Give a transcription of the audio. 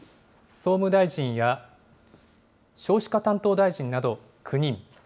総務大臣や少子化担当大臣など９人。